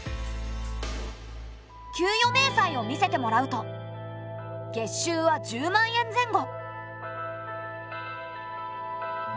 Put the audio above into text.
給与明細を見せてもらうと月収は１０万円前後。